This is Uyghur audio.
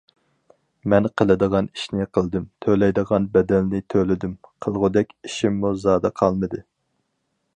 مەن قىلىدىغان ئىشنى قىلدىم، تۆلەيدىغان بەدەلنى تۆلىدىم، قىلغۇدەك ئىشىممۇ زادى قالمىدى.